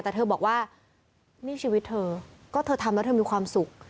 แต่เธอบอกว่านี่ชีวิตเธอก็เธอทำแล้วเธอมีความสุข